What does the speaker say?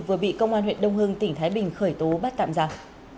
vừa bị công an huyện đông hưng tỉnh thái bình khởi tố bắt tạm giả